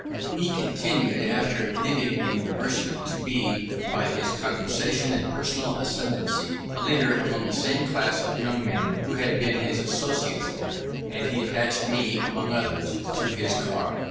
He continued, after leaving the University, to be, by his conversation and personal ascendency, a leader among the same class of young men who had been his associates there; and he attached me among others to his car.